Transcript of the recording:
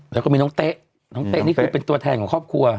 แล้วก็มีน้องเต๊ะน้องเต๊ะนี่คือเป็นตัวแทนของครอบครัว